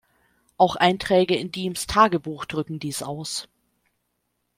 Auch Einträge in Diems Tagebuch drücken dies aus.